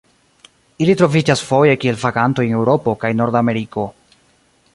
Ili troviĝas foje kiel vagantoj en Eŭropo kaj Nordameriko.